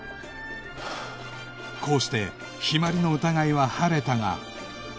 こうして陽葵の疑いは晴れたが